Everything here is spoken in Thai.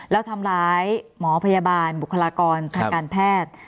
แล้วทำร้ายหมอพยาบาลบุคลากรทางการแพทย์